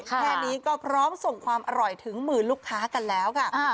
แค่นี้ก็พร้อมส่งความอร่อยถึงมือลูกค้ากันแล้วค่ะ